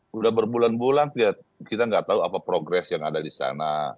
sudah berbulan bulan kita nggak tahu apa progres yang ada di sana